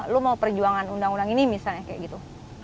lo mau perjuangan undang undang ini misalnya kayak gitu